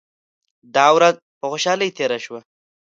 دا ورځ په خوشالۍ تیره شوه.